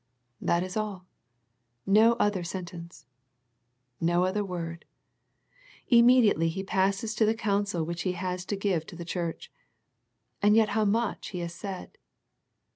That is all. No other sen tence. No other word. Immediately He passes to the counsel which He has to give to the church. And yet how much He has said.